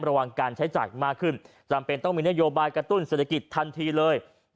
ระวังการใช้จ่ายมากขึ้นจำเป็นต้องมีนโยบายกระตุ้นเศรษฐกิจทันทีเลย